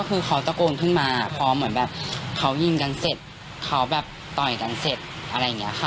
คือเขาตะโกนขึ้นมาพอเหมือนแบบเขายิงกันเสร็จเขาแบบต่อยกันเสร็จอะไรอย่างนี้ค่ะ